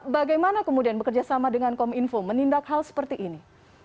bagaimana kemudian bekerjasama dengan kominfo menindak hal seperti ini